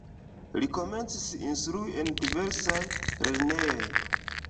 Li komencis instrui en diversaj lernejoj.